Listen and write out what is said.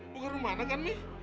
bukan rumah anak kan mi